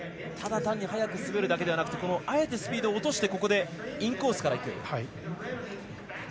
ただ単に速く滑るだけではなくてあえてスピードを落としてインコースから行く。